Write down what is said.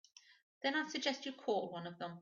Then I suggest you call one of them.